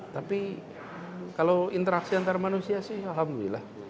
tapi kalau interaksi antar manusia sih alhamdulillah